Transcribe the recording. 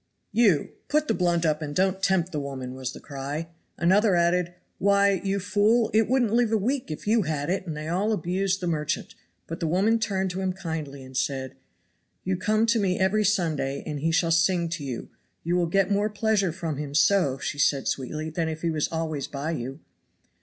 " you, put the blunt up and don't tempt the woman," was the cry. Another added: "Why, you fool, it wouldn't live a week if you had it," and they all abused the merchant. But the woman turned to him kindly and said: "You come to me every Sunday, and he shall sing to you. You will get more pleasure from him so," said she, sweetly, "than if he was always by you."